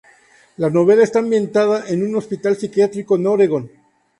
La novela está ambientada en un hospital psiquiátrico en Oregón.